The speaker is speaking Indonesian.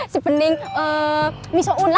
sebening miso ula